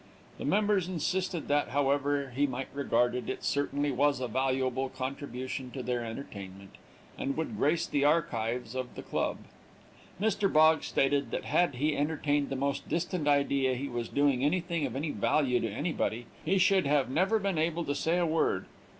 The members insisted that, however he might regard it, it certainly was a valuable contribution to their entertainment, and would grace the archives of the club. Mr. Boggs stated that had he entertained the most distant idea he was doing anything of any value to anybody, he should have never been able to say a word.